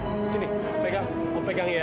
sini pegang om pegang ya